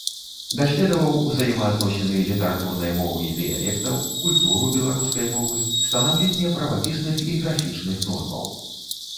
Даследаваў узаемаадносіны літаратурнай мовы і дыялектаў, культуру беларускай мовы, станаўленне правапісных і графічных нормаў.